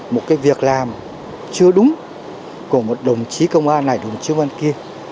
một cái việc làm chưa đúng của một đồng chí công an này đồng chí công an kia